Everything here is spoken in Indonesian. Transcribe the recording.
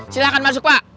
silahkan masuk pak